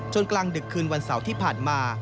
กลางดึกคืนวันเสาร์ที่ผ่านมา